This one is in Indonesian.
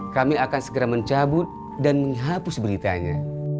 kami akan segera mencabut dan menghapus beritanya